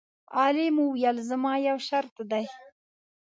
عالم وویل: زما یو شرط دی.